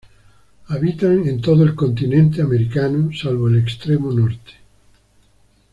Habitan en todo el continente americano, salvo el extremo norte.